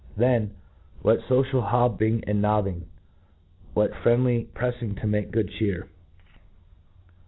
Then, what focial bobbing and nobbing !— ^>^hat friendly prefling to make good chear!